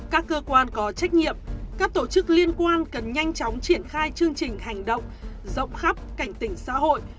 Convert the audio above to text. các cơ quan có trách nhiệm các tổ chức liên quan cần nhanh chóng triển khai chương trình hành động rộng khắp cảnh tỉnh xã hội